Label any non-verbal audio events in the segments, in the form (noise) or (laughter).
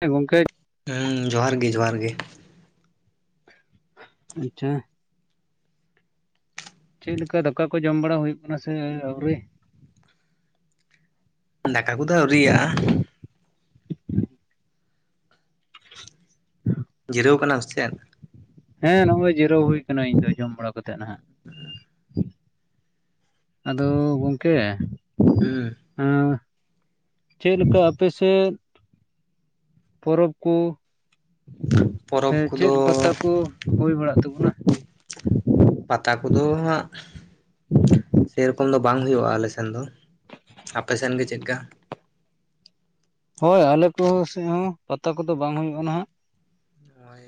ᱦᱮᱸ ᱜᱚᱝᱠᱮ? ᱦᱮᱸ ᱡᱚᱦᱟᱨ ᱜᱮ ᱡᱚᱦᱟᱨ ᱜᱮ᱾ ᱟᱪᱪᱷᱟ ᱪᱮᱫ ᱞᱮᱠᱟ ᱫᱟᱠᱟ ᱠᱚ ᱡᱚᱢ ᱵᱟᱲᱟ ᱦᱩᱭᱩᱜ ᱠᱟᱱᱟ ᱥᱮ ᱟᱹᱣᱨᱤ? ᱫᱟᱠᱟ ᱠᱚᱫᱚ ᱟᱹᱣᱨᱤᱭᱟᱜᱼᱟ᱾ ᱡᱤᱨᱟᱹᱣ ᱠᱟᱱᱟᱢ ᱥᱮ ᱪᱮᱱ? ᱦᱮᱸ ᱱᱚᱜᱚᱭ ᱡᱤᱨᱟᱹᱣ ᱦᱩᱭ ᱠᱟᱱᱟ ᱤᱧ ᱫᱚ ᱡᱚᱢ ᱵᱟᱲᱟ ᱠᱟᱛᱮᱜ ᱱᱟᱦᱟᱸᱜ᱾ ᱟᱫᱚ ᱜᱚᱝᱠᱮ ᱦᱮᱸ ᱦᱮᱸ ᱪᱮᱫ ᱞᱮᱠᱟ ᱟᱯᱮᱥᱮᱫ? ᱯᱚᱨᱚᱵᱽ ᱠᱚ ᱥᱮ ᱯᱚᱨᱚᱵᱽ ᱪᱮᱫ ᱠᱚᱫᱚ ᱯᱟᱛᱟ ᱠᱚ ᱦᱩᱭ ᱵᱟᱲᱟᱜ ᱛᱟᱵᱚᱱᱟ? ᱯᱟᱛᱟ ᱠᱚᱫᱚ ᱦᱟᱸᱜ ᱥᱮᱨᱚᱠᱚᱢ ᱫᱚ ᱵᱟᱝ ᱦᱩᱭᱩᱜᱼᱟ ᱟᱞᱮ ᱥᱮᱱ ᱫᱚ ᱟᱯᱮ ᱥᱮᱫ ᱜᱮ ᱪᱮᱫ ᱠᱟ? ᱦᱳᱭ ᱟᱞᱮ ᱠᱚ ᱥᱮᱫ ᱦᱚᱸ ᱯᱟᱛᱟ ᱠᱚᱫᱚ ᱵᱟᱝ ᱦᱩᱭᱩᱜᱼᱟ ᱱᱟᱦᱟᱸᱜ᱾ ᱱᱚᱜᱼᱚᱭ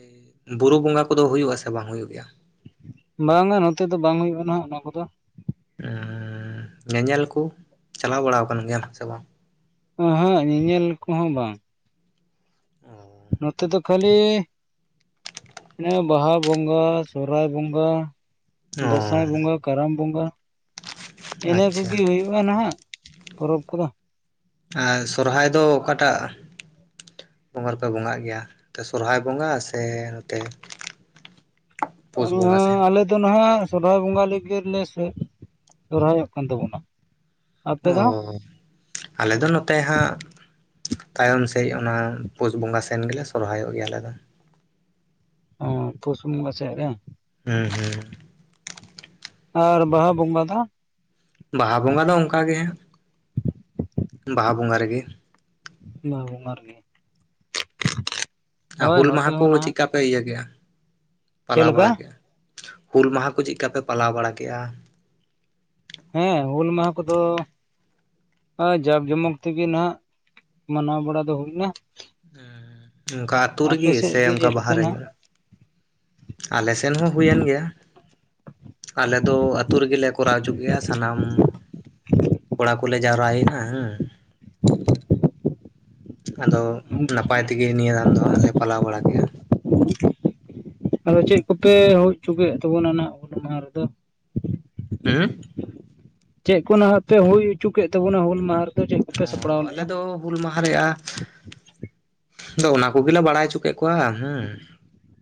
ᱵᱩᱨᱩ ᱵᱚᱸᱜᱟ ᱠᱚᱫᱚ ᱦᱩᱭᱩᱜ ᱟᱥᱮ ᱵᱟᱝ ᱦᱩᱭᱩᱜ ᱜᱮᱭᱟ? ᱵᱟᱝᱼᱟ ᱱᱚᱛᱮ ᱫᱚ ᱵᱟᱝ ᱦᱩᱭᱩᱜᱼᱟ ᱱᱟᱦᱟᱸᱜ ᱚᱱᱟ ᱠᱚᱫᱚ᱾ ᱧᱮᱧᱮᱞ ᱠᱚ ᱪᱟᱞᱟᱣ ᱵᱟᱲᱟ ᱠᱟᱱ ᱜᱮᱭᱟᱢ ᱥᱮ ᱵᱟᱝ? ᱮᱸᱦᱮᱜ ᱧᱮᱧᱮᱞ ᱠᱚᱦᱚᱸ ᱵᱟᱝ ᱚ (unintelligible) ᱱᱚᱛᱮ ᱫᱚ ᱠᱷᱟᱹᱞᱤ ᱚᱱᱮ ᱵᱟᱦᱟ ᱵᱚᱸᱜᱟ ᱥᱚᱦᱚᱨᱟᱭ ᱵᱚᱸᱜᱟ ᱫᱟᱸᱥᱟᱭ ᱵᱚᱸᱜᱟ, ᱠᱟᱨᱟᱢ ᱵᱚᱸᱜᱟ᱾ ᱤᱱᱟᱹ ᱟᱪᱪᱷᱟ ᱠᱚᱜᱮ ᱦᱩᱭᱩᱜᱼᱟ ᱱᱟᱦᱟᱸᱜ ᱯᱚᱨᱚᱵᱽ ᱠᱚᱫᱚ᱾ ᱟᱨ ᱥᱚᱨᱦᱟᱭ ᱫᱚ ᱚᱠᱟᱴᱟᱜ? ᱵᱚᱸᱜᱟ ᱨᱮᱯᱮ ᱵᱚᱸᱜᱟᱜ ᱜᱮᱭᱟ ᱱᱚᱛᱮ ᱥᱚᱦᱚᱨᱟᱭ ᱵᱚᱸᱜᱟ ᱥᱮ ᱱᱚᱛᱮ ᱯᱩᱥ ᱵᱚᱸᱜᱟ ᱥᱮᱱ ᱟᱞᱮ ᱫᱚ ᱱᱟᱦᱟᱜ ᱥᱚᱨᱚᱦᱟᱭ ᱵᱚᱸᱜᱟ ᱞᱮᱜᱮᱞᱮ ᱥᱚᱨᱦᱟᱭᱚᱜ ᱠᱟᱱ ᱛᱟᱵᱚᱱᱟ ᱟᱯᱮ ᱫᱚ ᱚ ᱟᱞᱮ ᱫᱚ ᱱᱚᱛᱮ ᱦᱟᱸᱜ ᱛᱟᱭᱚᱢ ᱥᱮᱫ ᱚᱱᱟ ᱯᱩᱥ ᱵᱚᱸᱜᱟ ᱥᱮᱱ ᱜᱮᱞᱮ ᱥᱚᱨᱦᱟᱭᱚᱜ ᱜᱮᱭᱟ ᱟᱞᱮ ᱫᱚ ᱚᱸ ᱯᱩᱥ ᱵᱚᱸᱜᱟ ᱥᱮᱫ ᱨᱮ ᱦᱩᱸ ᱦᱩᱸ ᱟᱨ ᱵᱟᱦᱟ ᱵᱚᱸᱜᱟ ᱫᱚ ᱵᱟᱦᱟ ᱵᱚᱸᱜᱟ ᱫᱚ ᱚᱱᱠᱟ ᱜᱮ ᱵᱟᱦᱟ ᱵᱚᱸᱜᱟ ᱨᱮᱜᱮ ᱵᱟᱦᱟ ᱵᱚᱸᱜᱟ ᱨᱮᱜᱮ ᱟᱨ ᱦᱳᱭ ᱦᱩᱞ ᱢᱟᱦᱟ ᱱᱚᱛᱮ ᱠᱚ ᱦᱚᱸ ᱱᱟᱦᱟᱜ ᱪᱮᱫᱠᱟ ᱯᱮ ᱤᱭᱟᱹ ᱠᱮᱜᱼᱟ ᱪᱮᱫ ᱯᱟᱞᱟᱣ ᱞᱮᱠᱟ ᱵᱟᱲᱟ ᱠᱮᱜᱼᱟ ᱦᱩᱞ ᱢᱟᱦᱟ ᱠᱚ ᱪᱮᱫᱠᱟ ᱯᱮ ᱯᱟᱞᱟᱣ ᱵᱟᱲᱟ ᱠᱮᱜᱼᱟ ᱦᱮᱸ ᱦᱩᱞ ᱢᱟᱦᱟ ᱠᱚᱫᱚ ᱡᱟᱠ ᱡᱚᱢᱚᱠ ᱛᱮᱜᱮ ᱱᱟᱜ ᱢᱟᱱᱟᱣ ᱵᱟᱲᱟ ᱫᱚ ᱦᱩᱭᱱᱟ ᱚᱱᱠᱟ ᱟᱹᱛᱩ ᱟᱯᱮ ᱨᱮᱜᱮ ᱥᱮᱫ ᱥᱮ ᱜᱮ ᱚᱱᱠᱟ ᱪᱮᱫ ᱞᱮᱠᱟ ᱵᱟᱦᱟᱨᱮ ᱱᱟᱦᱟᱜ ᱧᱚᱜ ᱟᱞᱮ ᱥᱮᱱ ᱦᱚᱸ ᱦᱩᱭᱮᱱ ᱜᱮᱭᱟ ᱟᱞᱮ ᱫᱚ ᱟᱹᱛᱩ ᱨᱮᱜᱮ ᱠᱚᱨᱟᱣ ᱦᱚᱪᱚ ᱠᱮᱜᱼᱟ ᱥᱟᱱᱟᱢ ᱠᱚᱲᱟ ᱠᱚᱞᱮ ᱡᱟᱣᱨᱟᱭᱮᱱᱟ ᱦᱩᱸ ᱟᱫᱚ ᱱᱟᱯᱟᱭ ᱛᱮᱜᱮ ᱱᱤᱭᱟᱹ ᱫᱟᱢ ᱫᱚ ᱦᱟᱸᱜ ᱞᱮ ᱯᱟᱞᱟᱣ ᱵᱟᱲᱟ ᱠᱮᱜᱼᱟ ᱟᱫᱚ ᱪᱮᱫ ᱠᱚᱯᱮ ᱦᱩᱭ ᱦᱚᱪᱚᱠᱮᱫ ᱛᱟᱵᱚᱱᱟ ᱦᱩᱞ ᱢᱟᱦᱟ ᱨᱮᱫᱚ? ᱦᱩᱸ ᱪᱮᱫ ᱠᱚ ᱱᱟᱦᱟᱜ ᱯᱮ ᱦᱩᱭ ᱦᱚᱪᱚ ᱠᱮᱫ ᱛᱟᱵᱚᱱᱟ ᱦᱩᱞ ᱢᱟᱦᱟᱨᱮ? ᱚ ᱟᱞᱮ ᱫᱚ ᱦᱩᱞ ᱢᱟᱦᱟ ᱨᱮᱭᱟᱜᱼᱼ ᱟᱫᱚ ᱚᱱᱟ ᱠᱚ ᱜᱮᱞᱮ ᱵᱟᱲᱟᱭ ᱦᱚᱪᱚ ᱠᱮᱫ ᱠᱚᱣᱟ ᱦᱩᱸ᱾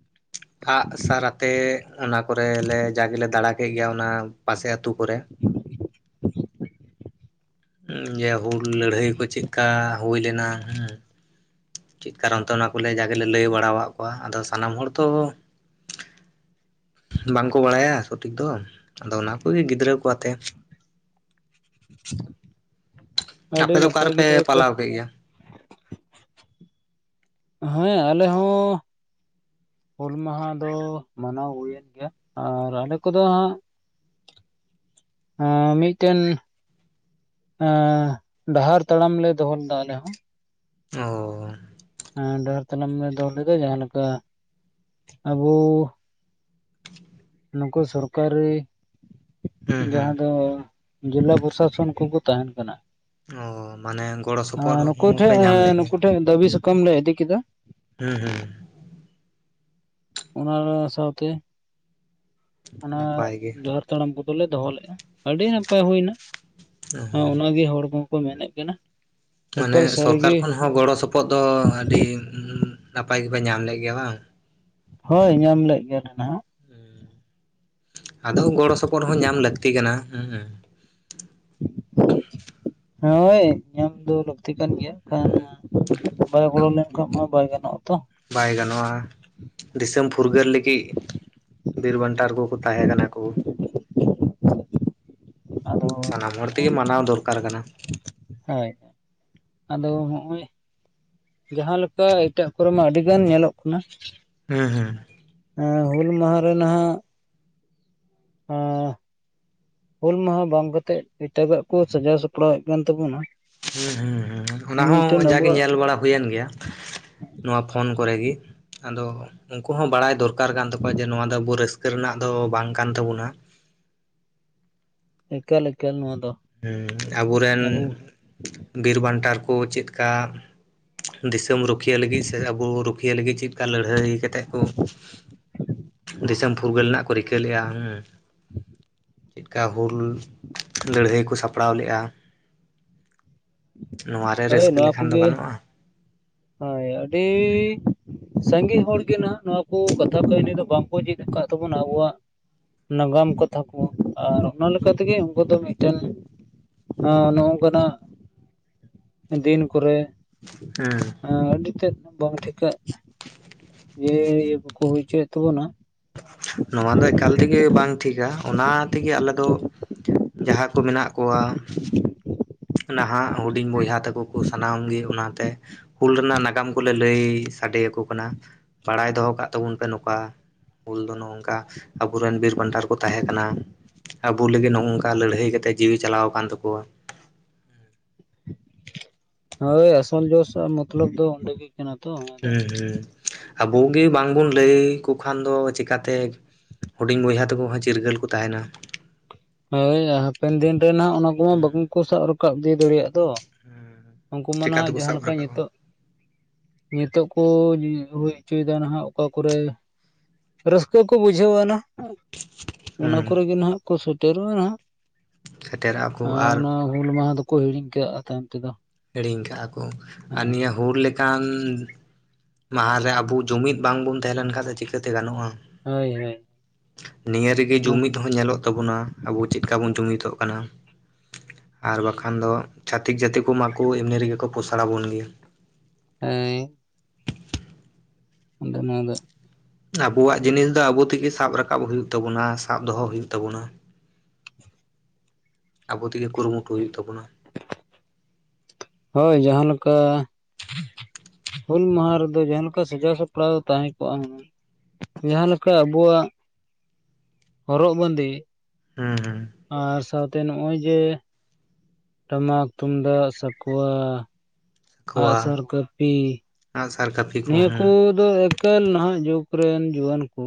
(inaudible) ᱟᱜᱼᱥᱟᱨ ᱟᱛᱮ ᱚᱱᱟ ᱠᱚᱨᱮ ᱞᱮ ᱡᱟᱜᱮᱞᱮ ᱫᱟᱲᱟ ᱠᱮᱜ ᱜᱮᱭᱟ ᱚᱱᱟ ᱯᱟᱥᱮ ᱟᱹᱛᱩ ᱠᱚᱨᱮ᱾ (unintelligible) ᱡᱮ ᱦᱩᱞ ᱞᱟᱹᱲᱦᱟᱹᱭ ᱠᱚ ᱪᱮᱫᱠᱟ ᱦᱩᱭ ᱞᱮᱱᱟ ᱦᱩᱸ, ᱪᱮᱫ ᱠᱟᱨᱚᱱ ᱛᱮ ᱚᱱᱟ ᱠᱚᱞᱮ ᱡᱟᱜᱮᱞᱮ ᱞᱟᱹᱭ ᱵᱟᱲᱟᱣᱟᱜ ᱠᱚᱣᱟ ᱟᱫᱚ ᱥᱟᱱᱟᱢ ᱦᱚᱲ ᱛᱚᱼᱼ ᱵᱟᱝᱠᱚ ᱵᱟᱲᱟᱭᱟ ᱥᱚᱴᱷᱤᱠ ᱫᱚ ᱟᱫᱚ ᱚᱱᱟ ᱠᱚᱜᱮ ᱜᱤᱫᱽᱨᱟᱹ ᱠᱚ ᱟᱛᱮᱼᱼ ᱟᱯᱮ ᱟᱹᱰᱤ ᱫᱚ ᱚᱠᱟ ᱱᱟᱯᱟᱭ ᱜᱮ ᱨᱮᱯᱮ ᱛᱚᱵᱮ ᱯᱮ ᱯᱟᱞᱟᱣ (unintelligible) ᱠᱮᱜ ᱜᱮᱭᱟ? ᱦᱮᱸ ᱟᱞᱮ ᱦᱚᱸᱻ ᱦᱩᱞ ᱢᱟᱦᱟ ᱫᱚ ᱢᱟᱱᱟᱣ ᱦᱩᱭᱮᱱ ᱜᱮᱭᱟ ᱟᱨ ᱟᱞᱮ ᱠᱚᱫᱚ ᱦᱟᱸᱜᱼᱼ ᱢᱤᱫᱴᱮᱱ ᱰᱟᱦᱟᱨ ᱛᱟᱲᱟᱢᱞᱮ ᱫᱚᱦᱚ ᱞᱮᱫᱟ ᱟᱞᱮ ᱦᱚᱸ, ᱚᱻ ᱮ ᱰᱟᱦᱟᱨ ᱛᱟᱞᱟᱢ ᱞᱮ ᱫᱚᱦᱚ ᱞᱮᱫᱟ ᱡᱟᱦᱟᱸ ᱞᱮᱠᱟ ᱟᱵᱚᱼᱼ ᱱᱩᱠᱩ ᱥᱚᱨᱠᱟᱨᱤ ᱦᱩᱸ ᱦᱩᱸ ᱡᱟᱦᱟᱸ ᱫᱚᱼᱼ ᱡᱮᱞᱟ ᱯᱨᱚᱥᱟᱥᱚᱱ ᱠᱚᱠᱚ ᱛᱟᱦᱮᱱ ᱠᱟᱱᱟ᱾ ᱚ ᱢᱟᱱᱮᱼᱼ ᱱᱩᱠᱩ ᱴᱷᱮᱡ ᱱᱩᱠᱩ ᱴᱷᱮᱡ ᱫᱟᱹᱵᱤ ᱥᱟᱠᱟᱢ ᱞᱮ ᱤᱫᱤ ᱠᱮᱫᱟ᱾ ᱦᱩᱸ ᱦᱩᱸ ᱚᱱᱟ ᱥᱟᱶᱛᱮ ᱚᱱᱟ ᱱᱟᱯᱟᱭ ᱜᱮ ᱰᱟᱦᱟᱨ (inaudible) ᱼᱼ ᱛᱟᱲᱟᱢ ᱠᱚᱫᱚᱞᱮ ᱫᱚᱦᱚ ᱞᱮᱫᱼᱟ ᱟᱹᱰᱤ ᱱᱟᱯᱟᱭ ᱦᱩᱭᱱᱟ ᱚ ᱚᱱᱟ ᱜᱮ ᱦᱚᱲ ᱠᱚ ᱠᱚ ᱢᱮᱱᱮᱫ ᱠᱟᱱᱟᱼᱼ ᱢᱟᱱᱮ ᱥᱚᱨᱠᱟᱨ ᱠᱷᱚᱱ ᱦᱚᱸ ᱜᱚᱲᱚ ᱥᱚᱯᱚᱦᱚᱫ ᱫᱚ ᱟᱹᱰᱤ ᱱᱟᱯᱟᱭ ᱜᱮᱯᱮ ᱧᱟᱢᱞᱮᱜ ᱜᱮᱭᱟ ᱵᱟᱝ? ᱦᱳᱭ ᱧᱟᱢᱞᱮᱜ ᱜᱮᱭᱟᱞᱮ ᱱᱟᱦᱟᱜ ᱟᱫᱚ ᱜᱚᱲᱚ ᱥᱚᱯᱚᱦᱚᱫ ᱦᱚᱸ ᱧᱟᱢ ᱞᱟᱹᱠᱛᱤ ᱠᱟᱱᱟ ᱦᱩᱸ᱾ (inaudible) ᱦᱳᱭ ᱧᱟᱢ ᱫᱚ ᱞᱟᱹᱠᱼᱼ ᱞᱟᱹᱠᱛᱤ ᱠᱟᱱ ᱜᱮᱭᱟ ᱠᱟᱨ ᱦᱩᱸ (inaudible) ᱵᱟᱭ (inaudible) ᱟᱫᱚ ᱜᱚᱲᱚ (unintelligible) ᱞᱮᱱᱠᱷᱟᱱ ᱢᱟ ᱵᱟᱭ ᱜᱟᱱᱚᱜᱼᱟ ᱛᱚ᱾ ᱵᱟᱭ ᱜᱟᱱᱚᱜᱼᱟ ᱫᱤᱥᱚᱢ ᱯᱷᱩᱨᱜᱟᱹᱞ ᱞᱟᱹᱜᱤᱫᱼᱼ ᱵᱤᱨ ᱵᱟᱱᱴᱟᱨ ᱠᱚ ᱠᱚ ᱛᱟᱦᱮᱸ ᱠᱟᱱᱟ ᱠᱚ᱾ ᱟᱫᱚ ᱥᱟᱱᱟᱢ ᱦᱚᱲ ᱛᱮᱜᱮ ᱦᱚᱸᱜᱼᱚᱭ ᱢᱟᱱᱟᱣ ᱫᱚᱨᱠᱟᱨ ᱠᱟᱱᱟ᱾ ᱦᱳᱭ ᱟᱫᱚ ᱦᱚᱜᱼᱚᱭᱼᱼ ᱡᱟᱦᱟᱸ ᱞᱮᱠᱟ ᱮᱴᱟᱜ ᱠᱚᱨᱮ ᱢᱟ ᱟᱹᱰᱤ ᱜᱟᱱ ᱧᱮᱞᱚᱜ ᱠᱟᱱᱟ, ᱦᱩᱸ ᱦᱩᱸ ᱦᱮᱸ ᱦᱩᱞ ᱢᱟᱦᱟ ᱨᱮ ᱱᱟᱦᱟᱜᱼᱼ ᱦ (unintelligible) ᱦᱩᱞ ᱢᱟᱦᱟ ᱵᱟᱝ ᱠᱟᱛᱮᱫ ᱮᱴᱟᱜᱟᱜ ᱠᱚ ᱥᱟᱡᱟᱣ ᱥᱟᱯᱲᱟᱣᱮᱫ ᱠᱟᱱ ᱛᱟᱵᱚᱱᱟ᱾ ᱦᱩᱸ ᱦᱩ ᱦᱩᱸ ᱚᱱᱟ ᱢᱤᱫᱴᱮᱱ ᱦᱚᱸ ᱡᱟᱜᱮ ᱟᱵᱚᱣᱟᱜ ᱧᱮᱞ ᱵᱟᱲᱟ ᱦᱩᱭᱮᱱ ᱜᱮᱭᱟ ᱱᱚᱣᱟ ᱯᱷᱳᱱ ᱠᱚᱨᱮ ᱜᱮᱼᱼ ᱟᱫᱚ ᱩᱱᱠᱩ ᱦᱚᱸ ᱵᱟᱲᱟᱭ ᱫᱚᱨᱠᱟᱨ ᱠᱟᱱ ᱛᱟᱠᱚᱣᱟ ᱡᱮ ᱱᱚᱣᱟ ᱫᱚ ᱟᱵᱚ ᱨᱟᱹᱥᱠᱟᱹ ᱨᱮᱱᱟᱜ ᱫᱚ ᱵᱟᱝ ᱠᱟᱱ ᱛᱟᱵᱚᱱᱟ᱾ ᱮᱠᱟᱞ ᱮᱠᱟᱞ ᱱᱚᱣᱟ ᱫᱚ᱾ ᱦᱮᱸ ᱟᱵᱚ ᱨᱮᱱ ᱵᱤᱨ ᱵᱟᱱᱴᱟᱨ ᱠᱚ ᱪᱮᱫᱠᱟᱼᱼ ᱫᱤᱥᱚᱢ ᱨᱩᱠᱷᱤᱭᱟᱹ ᱞᱟᱹᱜᱤᱫ ᱥᱮ ᱟᱵᱚ ᱨᱩᱠᱷᱤᱭᱟᱹ ᱞᱟᱹᱜᱤᱫ ᱪᱮᱫ ᱞᱮᱠᱟ ᱞᱟᱹᱲᱦᱟᱹᱭ ᱠᱟᱛᱮᱫ ᱠᱚᱼᱼ (inaudible) (unintelligible) ᱫᱤᱥᱚᱢ ᱯᱷᱩᱨᱜᱟᱹᱞ ᱨᱮᱱᱟᱜ ᱠᱚ ᱨᱤᱠᱟᱹ ᱞᱮᱫᱼᱟ ᱦᱩᱸ ᱪᱮᱫᱠᱟ ᱦᱩᱞ ᱞᱟᱹᱲᱦᱟᱹᱭ ᱠᱚ ᱥᱟᱯᱲᱟᱣ ᱞᱮᱫᱼᱟ᱾ ᱱᱚᱣᱟᱨᱮ ᱦᱳᱭ ᱨᱟᱹᱥᱠᱟᱹ ᱱᱚᱣᱟ ᱞᱮᱠᱷᱟᱱ ᱫᱚ ᱠᱚᱜᱮ ᱜᱟᱱᱚᱜᱼᱟ ᱦᱳᱭ ᱟᱹᱰᱤᱼᱼ ᱥᱟᱸᱜᱮ ᱦᱚᱲ ᱜᱮ ᱱᱟᱦᱟᱜ ᱱᱚᱣᱟ ᱠᱚ ᱠᱟᱛᱷᱟ ᱠᱟᱹᱦᱱᱤ ᱫᱚ ᱵᱟᱝ ᱠᱚ ᱪᱮᱫ ᱟᱠᱟᱫ ᱛᱟᱵᱚᱱᱟ ᱟᱵᱚᱣᱟᱜ᱾ ᱱᱟᱜᱟᱢ ᱠᱟᱛᱷᱟ ᱠᱚ ᱟᱨ ᱚᱱᱟ ᱛᱮᱜᱮ ᱩᱱᱠᱩ ᱫᱚ ᱢᱤᱫᱴᱮᱱ ᱦᱚᱸ ᱱᱚ-ᱚᱝᱠᱟᱱᱟᱜ ᱫᱤᱱ ᱠᱚᱨᱮ ᱦᱮᱸ ᱾ ᱟᱹᱰᱤ ᱛᱮᱫ ᱵᱟᱝ ᱴᱷᱤᱠᱟᱜ ᱡᱮ ᱤᱭᱟᱹ ᱠᱚᱠᱚ ᱦᱩᱭᱪᱚᱭᱮᱛ ᱛᱟᱵᱚᱱᱟ ᱾ ᱱᱚᱣᱟ ᱫᱚ ᱮᱠᱟᱞ ᱛᱮᱜᱮ ᱵᱟᱝ ᱴᱷᱤᱠᱟ ᱚᱱᱟ ᱛᱮᱜᱮ ᱟᱞᱮ ᱫᱚ ᱡᱟᱦᱟᱸ ᱠᱚ ᱢᱮᱱᱟᱜ ᱠᱚᱣᱟ (inaudible) ᱱᱟᱦᱟᱜ ᱦᱩᱰᱤᱧ ᱵᱚᱭᱦᱟ ᱛᱟᱠᱚ ᱠᱚ ᱥᱟᱱᱟᱢ ᱜᱮ ᱚᱱᱟᱛᱮ ᱦᱩᱞ ᱨᱮᱱᱟᱜ ᱱᱟᱜᱟᱢ ᱠᱚᱞᱮ ᱞᱟᱹᱭ ᱥᱟᱰᱮᱭᱟ ᱠᱚ ᱠᱟᱱᱟ ᱾ ᱵᱟᱲᱟᱭ ᱫᱚᱦᱚ ᱠᱟᱜ ᱛᱟᱵᱚᱱ ᱯᱮ ᱱᱚᱝᱠᱟ ᱾ ᱦᱩᱞ ᱫᱚ ᱱᱚᱝᱠᱟ ᱟᱵᱚᱨᱮᱱ ᱵᱤᱨ ᱵᱟᱱᱴᱟᱨ ᱠᱚ ᱛᱟᱦᱮᱸ ᱠᱟᱱᱟ ᱾ ᱟᱵᱚ ᱞᱟᱹᱜᱤᱫ ᱱᱚᱜ ᱱᱚᱝᱠᱟ ᱞᱟᱹᱲᱦᱟᱹᱭ ᱠᱟᱛᱮᱫ ᱡᱤᱣᱤ ᱪᱟᱞᱟᱣ ᱟᱠᱟᱱ ᱛᱟᱠᱚᱣᱟ ᱾ ᱦᱳᱭ ᱟᱥᱚᱞ ᱡᱳᱥ (unintelligible) ᱢᱚᱛᱞᱚᱵ ᱫᱚ ᱚᱸᱰᱮ ᱜᱮ ᱠᱟᱱᱟ (unintelligible) ᱛᱚ ᱦᱮᱸ ᱦᱩᱸ ᱟᱵᱚᱜ ᱜᱮ ᱵᱟᱝ ᱵᱚᱱ ᱞᱟᱹᱭ ᱟᱠᱚ ᱠᱷᱟᱱ ᱫᱚ ᱪᱤᱠᱟ ᱛᱮᱼᱼ ᱦᱩᱰᱤᱧ ᱵᱚᱭᱦᱟ ᱛᱟᱠᱚ ᱦᱚᱸ ᱪᱤᱨᱜᱟᱹᱞ ᱠᱚ ᱛᱟᱦᱮᱸᱱᱟ᱾ ᱦᱳᱭ ᱦᱟᱯᱮᱱ ᱫᱤᱱ ᱨᱮᱱᱟᱜ ᱚᱱᱟ ᱠᱚᱢᱟ ᱵᱟᱝᱠᱚ ᱥᱟᱵ ᱨᱟᱠᱟᱵ ᱤᱫᱤ ᱫᱟᱲᱮᱭᱟᱜ ᱛᱚ ᱾ ᱩᱱᱠᱩ ᱢᱟᱱᱟ ᱪᱤᱠᱟ ᱦᱟᱸᱜ ᱛᱮᱠᱚ ᱡᱟᱦᱟᱸ ᱥᱟᱵ ᱞᱮᱠᱟ ᱨᱟᱠᱟᱵᱼᱟ ᱱᱤᱛᱚᱜ ᱱᱤᱛᱚᱜ ᱠᱚ ᱦᱩᱭ ᱦᱩᱭᱪᱚᱭᱫᱟ ᱱᱟᱦᱟᱜ ᱚᱠᱟ ᱠᱚᱨᱮ? ᱨᱟᱹᱥᱠᱟᱹ ᱠᱚ ᱵᱩᱡᱷᱟᱹᱣᱼᱟᱱᱟ᱾ ᱚᱱᱟ ᱠᱚᱨᱮ ᱦᱩᱸ ᱜᱮ ᱱᱟᱦᱟᱸᱜ ᱠᱚ ᱥᱮᱴᱮᱨᱚᱜᱼᱟ ᱦᱟᱸᱜ ᱥᱮᱴᱮᱨᱟᱜᱼᱟ ᱠᱚ ᱟᱨ ᱚᱱᱟ ᱦᱩᱞ ᱢᱟᱦᱟ ᱫᱚᱠᱚ ᱦᱤᱲᱤᱧ ᱠᱟᱜᱼᱟ ᱛᱟᱭᱚᱢ ᱛᱮᱫᱚ ᱾ ᱦᱤᱲᱤᱧ ᱠᱟᱜᱼᱟ ᱠᱚ ᱟᱨ ᱱᱤᱭᱟᱹ ᱦᱩᱞ ᱞᱮᱠᱟ ᱠᱟᱱ ᱢᱟᱦᱟ ᱨᱮ ᱟᱵᱚ ᱡᱩᱢᱤᱫᱽ ᱵᱟᱝ ᱵᱚᱱ ᱛᱟᱦᱮᱸ ᱞᱮᱱᱠᱷᱟᱡ ᱫᱚ ᱪᱤᱠᱟᱹᱛᱮ ᱜᱟᱱᱚᱜᱼᱟ? ᱦᱳᱭ ᱦᱳᱭ ᱱᱤᱭᱟᱹ ᱨᱮᱜᱮ ᱡᱩᱢᱤᱫᱽ ᱦᱚᱸ ᱧᱮᱞᱚᱜ ᱛᱟᱵᱚᱱᱟ ᱟᱵᱚ ᱪᱮᱫᱠᱟ ᱵᱚᱱ ᱡᱩᱢᱤᱫᱚᱜ ᱠᱟᱱᱟ ᱾ ᱟᱨ ᱵᱟᱠᱷᱟᱱ ᱫᱚ ᱪᱷᱟᱹᱛᱤᱠ ᱡᱟᱹᱛᱤ ᱠᱚᱢᱟ ᱠᱚ ᱮᱢᱱᱤ ᱨᱮᱜᱮ ᱠᱚ ᱯᱚᱥᱟᱲᱟ ᱵᱚᱱ ᱜᱮᱭᱟ ᱾ ᱦᱮᱸ ᱾ ᱟᱱᱰᱮᱱᱟ ᱫᱚ ᱟᱵᱳᱭᱟᱜ ᱡᱤᱱᱤᱥ ᱫᱚ ᱟᱵᱚ ᱛᱮᱜᱮ ᱥᱟᱵ ᱨᱟᱠᱟᱵᱽ ᱦᱩᱭᱩᱜ ᱛᱟᱵᱩᱱᱟ ᱥᱟᱵ ᱫᱚᱦᱚ ᱦᱩᱭᱩᱜ ᱛᱟᱵᱩᱱᱟ ᱾ ᱟᱵᱚ ᱛᱮᱜᱮ ᱠᱩᱨᱩᱢᱩᱴᱩ ᱦᱩᱭᱩᱜ ᱛᱟᱵᱚᱱᱟ ᱾ ᱦᱳᱭ ᱡᱟᱦᱟᱸ ᱞᱮᱠᱟ ᱦᱩᱞ ᱢᱟᱦᱟ ᱨᱮᱫᱚ ᱡᱟᱦᱟᱸ ᱞᱮᱠᱟ ᱥᱟᱡᱟᱣ ᱥᱟᱯᱲᱟᱣ ᱛᱟᱦᱮᱸ ᱠᱚᱜᱼᱟ ᱦᱩᱱᱟᱹᱝ ᱡᱟᱦᱟᱸ ᱞᱮᱠᱟ ᱟᱵᱚᱣᱟᱜ ᱦᱚᱨᱚᱜ ᱵᱟᱸᱫᱤ ᱦᱩᱸ ᱦᱩᱸ ᱾ ᱟᱨ ᱥᱟᱶᱛᱮ ᱱᱚᱜᱼᱚᱭ ᱡᱮ ᱴᱟᱢᱟᱠ, ᱛᱩᱢᱫᱟᱜ, ᱥᱟᱠᱣᱟ, ᱟᱸᱜᱼᱥᱟᱨ, ᱠᱟᱹᱯᱤ ᱟᱸᱜ ᱥᱟᱨ, ᱠᱟᱹᱯᱤ ᱠᱚ ᱱᱤᱭᱟᱹ ᱦᱩᱸ ᱠᱚᱫᱚ ᱮᱠᱟᱞ ᱱᱟᱦᱟᱜ ᱡᱩᱜᱽ ᱨᱮᱱ ᱡᱩᱣᱟᱹᱱ ᱠᱚ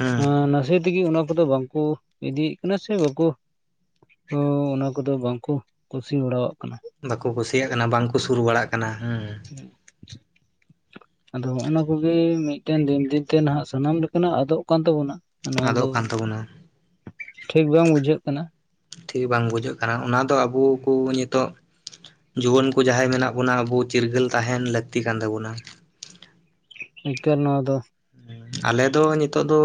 ᱦᱩᱸ ᱦᱮᱸ ᱱᱟᱥᱮ ᱛᱮᱜᱮ ᱚᱱᱟ ᱠᱚᱫᱚ ᱵᱟᱝᱠᱚ ᱤᱫᱤᱭᱮᱜ ᱠᱟᱱᱟ ᱥᱮ ᱵᱟᱠᱚ ᱛᱚ ᱚᱱᱟ ᱠᱚᱫᱚ ᱵᱟᱝᱠᱚ ᱠᱩᱥᱤ ᱵᱟᱲᱟᱣᱟᱜ ᱠᱟᱱᱟ ᱾ ᱵᱟᱠᱚ ᱠᱩᱥᱤᱭᱟᱜ ᱠᱟᱱᱟ ᱵᱟᱝᱠᱚ ᱥᱩᱨ ᱵᱟᱲᱟᱜ ᱠᱟᱱᱟ ᱾ ᱦᱩᱸ (inaudible) ᱟᱫᱚ ᱦᱚᱜᱼᱱᱟ ᱠᱚᱜᱮ ᱢᱤᱫᱴᱮᱱ ᱫᱤᱱ ᱫᱤᱱᱛᱮ ᱱᱟᱦᱟᱜ ᱥᱟᱱᱟᱢ ᱞᱮᱠᱟᱱᱟᱜ ᱟᱫᱚᱜ ᱠᱟᱱ ᱛᱟᱵᱚᱱᱟ ᱾ ᱟᱫᱚᱜ ᱠᱟᱱ ᱛᱟᱵᱚᱱᱟ ᱴᱷᱤᱠ ᱵᱟᱝ ᱵᱩᱡᱷᱟᱹᱜ ᱠᱟᱱᱟ ᱾ ᱴᱷᱤᱠ ᱵᱟᱝ ᱵᱩᱡᱷᱟᱹᱜ ᱠᱟᱱᱟ ᱾ ᱚᱱᱟ ᱫᱚ ᱟᱵᱚ ᱠᱚ ᱧᱤᱛᱚᱜ ᱡᱩᱣᱟᱹᱱ ᱠᱚ ᱡᱟᱦᱟᱸᱭ ᱢᱮᱱᱟᱜ ᱵᱚᱱᱟ ᱟᱵᱚ ᱪᱤᱨᱜᱟᱹᱞ ᱛᱟᱦᱮᱱ ᱞᱟᱹᱠᱛᱤ ᱠᱟᱱ ᱛᱟᱵᱚᱱᱟ᱾ ᱮᱠᱟᱞ ᱱᱚᱣᱟ ᱫᱚ ᱟᱞᱮ ᱫᱚ ᱧᱤᱛᱚᱜ ᱫᱚ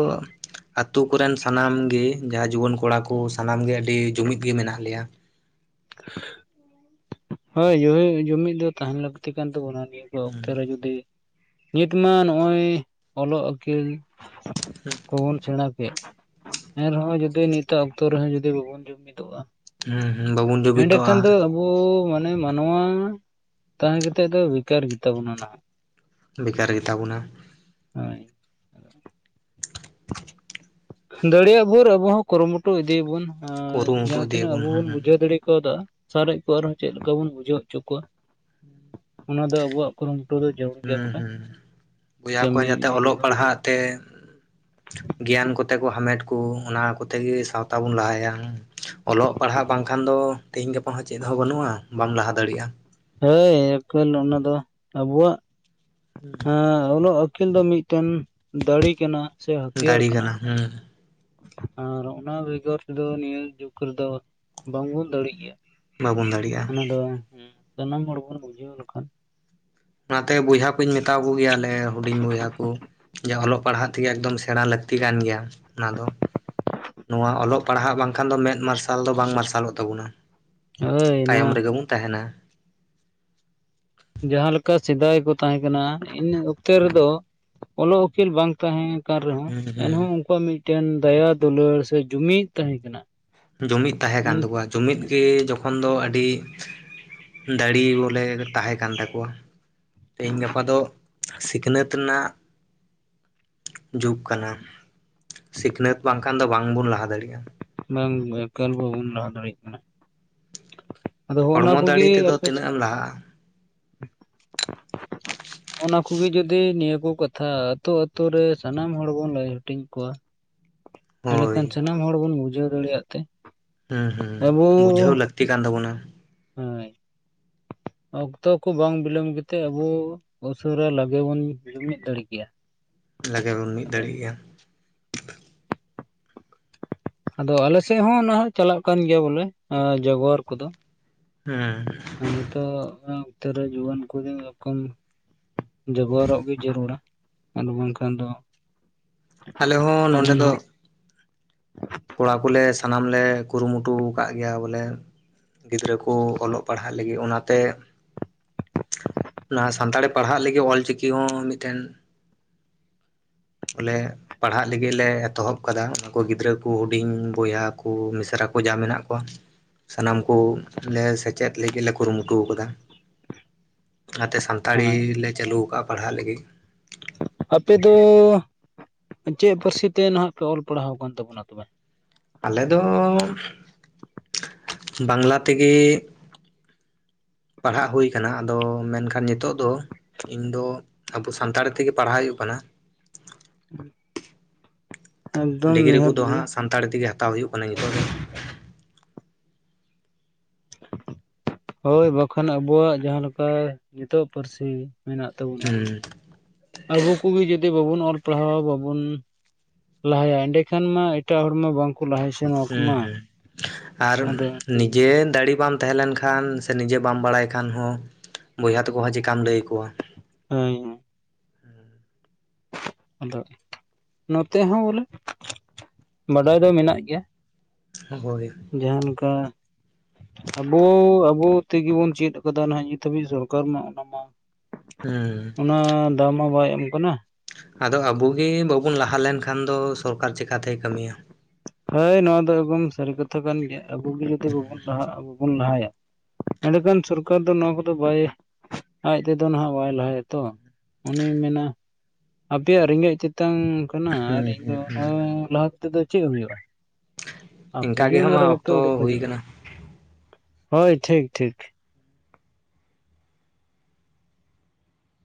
ᱟᱛᱩ ᱠᱚᱨᱮᱱ ᱥᱟᱱᱟᱢ ᱜᱮ ᱡᱟᱦᱟᱸ ᱡᱩᱣᱟᱹᱱ ᱠᱚᱲᱟ ᱠᱚ ᱥᱟᱱᱟᱢ ᱜᱮ ᱟᱹᱰᱤ ᱡᱩᱢᱤᱫ ᱜᱮ ᱢᱮᱱᱟᱜ ᱞᱮᱭᱟ᱾ (inaudible) ᱦᱳᱭ ᱭᱚᱣᱤ ᱡᱩᱢᱤᱫ ᱫᱚ ᱛᱟᱦᱮᱸᱱ ᱞᱟᱹᱠᱛᱤ ᱠᱟᱱ ᱛᱟᱵᱚᱱᱟ ᱱᱤᱛ ᱚᱠᱛᱮ ᱦᱩᱸ ᱨᱮ ᱡᱩᱫᱤ ᱱᱤᱛ ᱢᱟ ᱱᱚᱜᱼᱚᱭ ᱚᱞᱚᱜ ᱟᱹᱠᱤᱞ ᱠᱚᱵᱚᱱ ᱥᱮᱬᱟ ᱠᱮᱫ᱾ ᱮᱱ ᱨᱮ ᱦᱚᱸ ᱡᱩᱫᱤ ᱱᱤᱛᱚᱜ ᱚᱠᱛᱚ ᱨᱮ ᱦᱚᱸ ᱡᱩᱫᱤ ᱵᱟᱵᱚᱱ ᱡᱩᱢᱤᱫ ᱚᱜᱼᱟ᱾ ᱦᱩᱸ ᱵᱟᱵᱚᱱ ᱮᱸᱰᱮ ᱠᱷᱟᱱ ᱫᱚ ᱡᱩᱢᱤᱫᱚᱜᱼᱟ ᱟᱵᱚ ᱢᱟᱱ᱾ (unintelligible) ᱢᱟᱱᱣᱟ ᱛᱟᱦᱮᱸ ᱠᱟ ᱛᱮ ᱫᱚ ᱵᱮᱠᱟᱨ ᱜᱮᱛᱟ ᱵᱚᱱᱟ ᱱᱟᱦᱟᱜ ᱵᱮᱠᱟᱨ ᱜᱮᱛᱟ ᱵᱚᱱᱟ᱾ ᱦᱳᱭ ᱫᱟᱲᱮ ᱭᱟᱜ ᱵᱷᱳᱨ ᱟᱵᱚ ᱦᱚᱸ ᱠᱩᱨᱩ ᱢᱩᱴᱩ ᱤᱫᱤ ᱭᱟᱵᱩᱱ ᱠᱩᱨᱩᱢᱩᱴᱩ ᱡᱟᱦᱟᱸᱛᱤᱱᱟᱹᱜ ᱤᱫᱤᱭᱟᱵᱚᱱ ᱟᱵᱩ ᱵᱩᱱ ᱦᱩᱸ ᱵᱩᱡᱷᱟᱹᱣ ᱫᱟᱲᱮ ᱠᱟᱣ ᱫᱟ᱾ ᱥᱟᱨᱮᱡ ᱠᱚ ᱟᱨ ᱦᱚᱸ ᱪᱮᱫ ᱞᱮᱠᱟ ᱵᱩᱱ ᱵᱩᱡᱷᱟᱹᱣ ᱦᱚᱪᱚ ᱠᱚᱣᱟ ᱚᱱᱟ ᱫᱚ ᱟᱵᱚ ᱣᱟᱜ᱾ ᱦᱩᱸ ᱦᱩᱸ ᱵᱚᱭᱦᱟ ᱠᱚ ᱠᱟᱹᱢᱤ ᱡᱟᱛᱮ ᱤᱫᱤ ᱚᱞᱚᱜ ᱡᱟᱹᱨᱩᱲ ᱯᱟᱲᱦᱟᱜ ᱛᱮ᱾ ᱜᱮᱭᱟᱱ ᱠᱚ ᱛᱮ ᱠᱚ ᱦᱟᱢᱮᱴ ᱠᱚ ᱚᱱᱟ ᱠᱚᱛᱮ ᱜᱮ ᱥᱟᱶᱛᱟ ᱵᱚᱱ ᱞᱟᱦᱟᱭᱟ᱾ ᱚᱞᱚᱜ ᱯᱟᱲᱦᱟᱜ ᱵᱟᱝᱠᱷᱟᱱ ᱫᱚ ᱛᱤᱦᱤᱧ ᱜᱟᱯᱟ ᱦᱚᱸ ᱪᱮᱫ ᱦᱚᱸ ᱵᱟᱹᱱᱩᱜᱼᱟ ᱵᱟᱢ ᱞᱟᱦᱟ ᱫᱟᱲᱤᱜᱼᱟ᱾ ᱦᱮᱭ ᱟᱹᱠᱤᱞ ᱚᱱᱟ ᱫᱚ ᱟᱵᱚᱣᱟᱜ ᱚᱞᱚᱜ ᱟᱹᱠᱤᱞ ᱫᱚ᱾ ᱢᱤᱫ ᱴᱮᱱ ᱫᱟᱲᱮ ᱠᱟᱱᱟ᱾ ᱥᱮ ᱦᱟᱹᱛᱭᱟᱹᱨ ᱫᱟᱲᱮ ᱠᱟᱱᱟ ᱦᱩᱸ ᱟᱨ ᱚᱱᱟ ᱵᱮᱜᱚᱨ ᱛᱮ ᱫᱚ ᱱᱤᱭᱟᱹ ᱡᱩᱜ ᱨᱮ ᱫᱚ ᱵᱟᱝ ᱵᱚᱱ ᱫᱟᱲᱮ ᱭᱟᱜ ᱜᱮᱭᱟ᱾ ᱵᱟᱵᱚᱱ ᱫᱟᱲᱮᱭᱟᱜᱼᱟ ᱚᱱᱟ ᱫᱚ ᱥᱟᱱᱟᱢ ᱦᱚᱲ ᱵᱚᱱ ᱵᱩᱡᱷᱟᱹᱣ ᱞᱮ ᱠᱷᱟᱱ᱾ ᱚᱱᱟ ᱛᱮ ᱵᱚᱭᱦᱟ ᱠᱚᱧ ᱢᱮᱛᱟ ᱠᱚ ᱜᱮᱭᱟ ᱞᱮ ᱦᱩᱰᱤᱧ ᱵᱚᱭᱦᱟ ᱠᱚ ᱡᱮ ᱚᱞᱚᱜ ᱯᱟᱲᱦᱟᱜ ᱛᱮ ᱜᱮ ᱮᱠᱫᱚᱢ ᱥᱮᱬᱟ ᱞᱟᱹᱠᱛᱤ ᱞᱟᱹᱠᱛᱤ ᱠᱟᱱ ᱜᱮᱭᱟ ᱚᱱᱟ ᱫᱚ᱾ ᱱᱚᱶᱟ ᱚᱞᱚᱜ ᱯᱟᱲᱦᱟᱜ ᱵᱟᱝ ᱠᱷᱟᱱ ᱫᱚ ᱢᱮᱫ ᱢᱟᱨᱥᱟᱞ ᱫᱚ ᱵᱟᱝ ᱢᱟᱨᱥᱟᱞᱚᱜ ᱛᱟᱵᱚᱱᱟ ᱦᱳᱭ ᱛᱟᱭᱚᱢ ᱱᱚᱣᱟ ᱨᱮ ᱜᱮ ᱵᱚᱱ ᱛᱟᱦᱮ ᱱᱟ᱾ ᱡᱟᱦᱟᱸ ᱞᱮᱠᱟ ᱥᱮᱫᱟᱭ ᱠᱚ ᱛᱟᱦᱮᱸ ᱠᱟᱱᱟ ᱤᱱᱟᱹ ᱚᱠᱛᱮ ᱨᱮᱫᱚ ᱚᱞᱚᱜ ᱩᱠᱤᱞ ᱵᱟᱝ ᱛᱟᱦᱮᱸ ᱠᱟᱱ ᱨᱮᱦᱚᱸ ᱦᱩᱸ ᱦᱩᱸ ᱮᱱᱦᱚᱸ ᱩᱱᱠᱩ ᱣᱟᱜ ᱢᱤᱫ ᱴᱮᱱ ᱫᱟᱭᱟ ᱫᱩᱞᱟᱹᱲ ᱥᱮ ᱡᱩᱢᱤᱫ ᱛᱟᱦᱮᱸ ᱠᱟᱱᱟ᱾ ᱡᱩᱢᱤᱫ ᱛᱟᱦᱮᱸ ᱠᱟᱱ ᱛᱟ ᱢᱮᱱ ᱠᱚᱣᱟ ᱡᱩᱢᱤᱫ ᱜᱮ ᱡᱚᱠᱷᱚᱱ ᱫᱚ ᱟᱹᱰᱤ᱾ ᱫᱟᱲᱤ ᱵᱚᱞᱮ ᱛᱟᱦᱮᱸ ᱠᱟᱱ ᱛᱟᱠᱚ ᱣᱟ ᱛᱮᱦᱤᱧ ᱜᱟᱯᱟ ᱫᱚ ᱥᱤᱠᱷᱱᱟᱹᱛ ᱨᱮᱱᱟᱜ᱾ ᱡᱩᱜᱽ ᱠᱟᱱᱟ ᱥᱤᱠᱷᱱᱟᱹᱛ ᱵᱟᱝ ᱠᱷᱟᱱ ᱫᱚ ᱵᱟᱝ ᱵᱚᱱ ᱞᱟᱦᱟ ᱫᱟᱲᱮᱭᱟᱜᱼᱟ᱾ ᱵᱟᱝ ᱮᱠᱟᱞ ᱵᱟᱵᱚᱱ ᱞᱟᱦᱟ ᱫᱟᱲᱮ ᱭᱟᱜ ᱠᱟᱱᱟ ᱟᱫᱚ ᱦᱚᱸᱜᱼᱚ ᱱᱟ ᱦᱚᱲᱢᱚ ᱠᱚᱜᱮ ᱫᱟᱲᱮ ᱛᱮᱫᱚ ᱟᱯᱮᱥᱮᱫ᱾ ᱛᱤᱱᱟᱹᱜ ᱮᱢ ᱞᱟᱦᱟᱜᱼᱟ (unintelligible) ᱚᱱᱟ ᱠᱚ ᱜᱮ ᱡᱩᱫᱤ ᱱᱤᱭᱟᱹ ᱠᱚ ᱠᱟᱛᱷᱟ ᱟᱛᱳ ᱟᱛᱳ ᱨᱮ ᱥᱟᱱᱟᱢ ᱦᱚᱲ ᱵᱩᱱ ᱞᱟᱹᱭ ᱦᱟᱹᱴᱤᱧ ᱠᱚᱣᱟ ᱮᱸᱰᱮ ᱠᱷᱟᱱ ᱦᱳᱭ ᱥᱟᱱᱟᱢ ᱦᱚᱲ ᱵᱚᱱ ᱵᱩᱡᱷᱟᱹᱣ ᱫᱟᱲᱮᱭᱟᱜ ᱛᱮ ᱦᱩᱸ ᱟᱵᱚ ᱦᱩᱸ ᱵᱩᱡᱷᱟᱹᱣ ᱞᱟᱹᱠᱛᱤ ᱠᱟᱱ ᱛᱟᱵᱚ ᱱᱟ᱾ ᱦᱳᱭ ᱚᱠᱛᱚ ᱠᱚ ᱵᱟᱝ ᱵᱤᱞᱚᱢ ᱠᱟᱛᱮ ᱟᱵᱚ᱾ ᱩᱥᱟᱹᱨᱟ ᱞᱚᱜᱮ ᱵᱚᱱ ᱡᱩᱢᱤᱫ ᱫᱟᱲᱮ ᱠᱮᱭᱟ᱾ ᱞᱟᱜᱮ ᱵᱚᱱ ᱢᱤᱫ ᱟᱫᱚ ᱫᱟᱲᱮᱜ ᱜᱮᱭᱟ᱾ ᱟᱫᱚ ᱟᱞᱮ ᱥᱮ ᱦᱚᱸ ᱱᱟᱦᱟᱜ ᱪᱟᱞᱟᱜ ᱠᱟᱱ ᱜᱮᱭᱟ ᱵᱚᱞᱮ ᱡᱟᱜᱚᱨ ᱠᱚᱫᱚ᱾ ᱦᱮᱸ ᱱᱤᱛᱚᱜ ᱩᱛᱟᱹᱨ ᱨᱮ ᱡᱩᱣᱟᱹᱱ ᱠᱚ ᱫᱚ ᱨᱚᱠᱚᱢ ᱡᱚᱜᱚᱣᱟᱨᱚᱜ ᱜᱮ ᱡᱟᱹᱨᱩ ᱲᱟ ᱟᱫᱚ ᱵᱟᱝ ᱠᱷᱟᱱ ᱫᱚ᱾ ᱟᱞᱮ ᱦᱚᱸ ᱟᱵᱚ ᱱᱚᱰᱮ ᱫᱚ᱾ ᱱᱟᱦᱟᱜ ᱠᱚᱲᱟ ᱠᱚ ᱞᱮ ᱥᱟᱱᱟᱢ ᱞᱮ ᱠᱩᱨᱩ ᱢᱩᱴᱩ ᱟᱠᱟᱫ ᱜᱮᱭᱟ ᱵᱚᱞᱮ᱾ ᱜᱤᱫᱽᱨᱟᱹ ᱠᱚ ᱚᱞᱚᱜ ᱯᱟᱲ ᱦᱟᱜ ᱞᱟᱹᱜᱤᱫ ᱚᱱᱟ ᱛᱮ ᱞᱟᱦᱟ ᱥᱟᱱᱛᱟᱲᱤ ᱯᱟᱲᱦᱟᱜ ᱞᱟᱹᱜᱤᱫ ᱚᱞᱪᱤᱠᱤ ᱦᱚᱸ ᱢᱤᱫᱴᱮᱱ ᱵᱚᱞᱮ ᱯᱟᱲᱦᱟᱜ ᱞᱟᱹᱜᱤᱫ ᱞᱮ ᱮᱛᱚ ᱦᱚᱵ ᱟᱠᱟᱫᱟ ᱚᱱᱟᱠᱚ ᱜᱤᱫᱽᱨᱟᱹ᱾ ᱩᱱᱠᱩ ᱦᱩᱰᱤᱧ ᱵᱚᱭᱦᱟ ᱠᱚ ᱢᱤᱥᱨᱟ ᱠᱚ ᱡᱟ ᱢᱮᱱᱟᱜ ᱠᱚᱣᱟᱹ ᱾ ᱥᱟᱱᱟᱢ ᱠᱚ ᱱᱮ ᱥᱮᱪᱮᱫ ᱞᱟᱹᱜᱤᱫ ᱞᱮ ᱠᱩᱨᱩᱢᱩᱴᱩ ᱟᱠᱟᱫᱟ᱾ (inaudible) ᱚᱱᱟᱛᱮ ᱥᱟᱱᱛᱟᱲᱤ ᱦᱳᱭ ᱞᱮ ᱪᱟᱹᱞᱤ ᱟᱠᱟᱫᱼᱟ ᱯᱟᱲᱦᱟᱜ ᱞᱟᱹᱜᱤᱫ᱾ ᱟᱯᱮ ᱫᱚ ᱪᱮᱜ ᱯᱟᱹᱨᱥᱤ ᱛᱮ ᱱᱟᱦᱟᱜ ᱯᱮ ᱚᱞ ᱯᱟᱲᱦᱟᱣ ᱟᱠᱟᱱ ᱛᱟᱵᱚᱱᱟ ᱛᱚᱵᱮ? ᱟᱞᱮ ᱫᱚ ᱵᱟᱝᱞᱟ ᱛᱮᱜᱮ ᱯᱟᱲᱦᱟᱜ ᱦᱩᱭ ᱠᱟᱱᱟ ᱟᱫᱚ ᱢᱮᱱᱠᱷᱟᱱ ᱧᱤᱛᱚᱜ ᱫᱚ ᱤᱧ ᱫᱚ ᱟᱵᱚ ᱥᱟᱱᱛᱟᱲᱤ ᱛᱮᱜᱮ ᱯᱟᱲᱦᱟᱣ ᱦᱩᱭᱩᱜ ᱠᱟᱱᱟ᱾ ᱦᱩᱸ ᱰᱤᱜᱽᱨᱤ ᱠᱚᱫᱚ ᱦᱟᱸᱜ ᱥᱟᱱᱛᱟᱲᱤ ᱛᱮᱜᱮ ᱦᱟᱛᱟᱣ ᱦᱩᱭᱩᱜ ᱠᱟᱱᱟ ᱧᱤᱛᱚᱜ ᱫᱚ᱾ ᱦᱳᱭ ᱵᱟᱠᱷᱟᱱ ᱟᱵᱚᱣᱟᱜ ᱡᱟᱦᱟᱸ ᱞᱮᱠᱟ ᱧᱤᱛᱚᱜ ᱯᱟᱹᱨᱥᱤ ᱢᱮᱱᱟᱜ ᱛᱟᱵᱚᱱᱟ ᱦᱩᱸ ᱟᱵᱚ ᱠᱚᱜᱮ ᱡᱩᱫᱤ ᱵᱟᱵᱩᱱ ᱚᱞ ᱯᱟᱲᱦᱟ ᱵᱟᱵᱩᱱ ᱞᱟᱦᱟᱭᱟ ᱮᱸᱰᱮ ᱠᱷᱟᱱ ᱢᱟ ᱮᱴᱟᱜ ᱦᱚᱲ ᱢᱟ ᱵᱟᱝᱠᱚ ᱞᱟᱦᱟᱭ ᱥᱮ ᱱᱚᱣᱟ ᱠᱚ ᱦᱩᱸ ᱢᱟ ᱟᱫᱚ ᱡᱮ ᱫᱟᱲᱮ ᱵᱟᱢ ᱛᱟᱦᱮᱸ ᱞᱮᱱ ᱠᱷᱟᱱ ᱥᱮ ᱱᱤᱡᱮ ᱵᱟᱢ ᱵᱟᱲᱟᱭ ᱠᱷᱟᱱ ᱦᱚᱸ ᱵᱚᱭᱦᱟ ᱛᱟᱠᱚ ᱦᱚᱸ ᱪᱤᱠᱟᱢ ᱞᱟᱹᱭ ᱟᱠᱚᱣᱟ᱾ ᱦᱳᱭ ᱟᱫᱚ ᱱᱚ ᱛᱮ ᱦᱚᱸ ᱵᱚᱞᱮ ᱵᱟᱰᱟᱭ ᱫᱚ ᱢᱮᱱᱟᱜ ᱜᱮᱭᱟ᱾ ᱦᱳᱭ ᱡᱟᱦᱟᱸ ᱞᱮᱠᱟ ᱟᱵᱚ ᱟᱵᱚ ᱛᱮᱜᱮ ᱵᱚᱱ ᱪᱮᱫ ᱠᱟᱫᱟ ᱱᱟᱦᱟᱜ ᱱᱤᱛ ᱦᱟᱹᱵᱤᱡ ᱥᱚᱨᱠᱟᱨ ᱢᱟ ᱚᱱᱟᱢᱟ ᱦᱩᱸ ᱚᱱᱟ ᱫᱟᱣ ᱢᱟ ᱵᱟᱭ ᱮᱢ ᱠᱟᱱᱟ᱾ ᱟᱫᱚ ᱟᱵᱚᱜᱮ ᱵᱟᱵᱚᱱ ᱞᱟᱦᱟ ᱞᱮᱱᱠᱷᱟᱱ ᱫᱚ ᱥᱚᱨᱠᱟᱨ ᱪᱮᱠᱟᱛᱮᱭ ᱠᱟᱹᱢᱤᱭᱟ᱾ ᱦᱳᱭ ᱱᱚᱣᱟ ᱫᱚ ᱮᱠᱫᱚᱢ ᱥᱟᱹᱨᱤ ᱠᱟᱛᱷᱟ ᱠᱟᱱ ᱜᱮᱭᱟ ᱟᱵᱚ ᱜᱮ ᱡᱚᱫᱤ ᱵᱟᱵᱚᱱ ᱞᱟᱦᱟᱜᱼᱟ ᱵᱟᱵᱚᱱ ᱞᱟᱦᱟᱭᱟ ᱮᱰᱮᱠᱷᱟᱱ ᱥᱚᱨᱠᱟᱨ ᱫᱚ ᱱᱚᱣᱟ ᱠᱚᱫᱚ ᱵᱟᱭ ᱟᱡ ᱛᱮᱫᱚ ᱱᱟᱦᱟᱜ ᱵᱟᱭ ᱞᱟᱦᱟᱭᱟ ᱛᱚ᱾ ᱚᱱᱤᱭ ᱢᱮᱱᱟ ᱟᱯᱮᱭᱟᱜ ᱨᱮᱸᱜᱮᱡ ᱛᱮᱛᱟᱝ ᱠᱟᱱᱟ ᱟᱨ ᱦᱩᱸ ᱤᱧ ᱫᱚ ᱦᱩᱸ ᱚᱱᱟ ᱦᱩᱸ (unintelligible) ᱞᱟᱦᱟ ᱛᱮᱫᱚ ᱪᱮᱜ ᱦᱩᱭᱩᱜᱼᱟ᱾ ᱤᱱᱠ ᱟᱯᱮᱜᱮ ᱜᱮ ᱦᱟ ᱢᱟ ᱚᱱᱟᱨᱮ ᱵᱟᱯᱮ ᱚᱠᱛᱚ ᱩᱰᱩᱠ ᱦᱩᱭ ᱦᱤᱡᱩᱜᱼᱟ ᱠᱟᱱᱟ᱾ ᱦᱳᱭ ᱴᱷᱤᱠ ᱴᱷᱤᱠ᱾